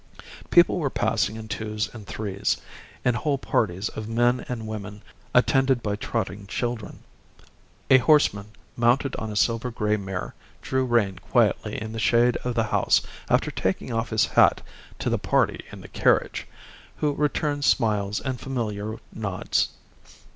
People were passing in twos and threes, in whole parties of men and women attended by trotting children. A horseman mounted on a silver grey mare drew rein quietly in the shade of the house after taking off his hat to the party in the carriage, who returned smiles and familiar nods.